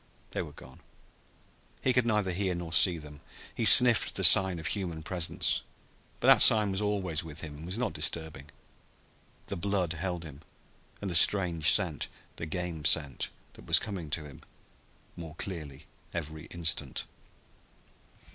They were gone. He could neither hear nor see them. He sniffed the sign of human presence, but that sign was always with him, and was not disturbing. The blood held him and the strange scent, the game scent that was coming to him more clearly every instant.